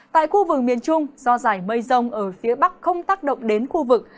tại khu vực miền trung do giải mây rông ở phía bắc không tác động đến khu vực